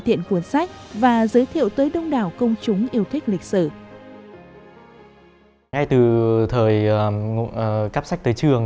tiên cuốn sách và giới thiệu tới đông đảo công chúng yêu thích lịch sử ngay từ thời cắp sách tới trường